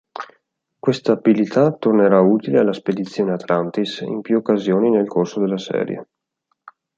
Questa abilità tornerà utile alla Spedizione Atlantis in più occasioni nel corso della serie.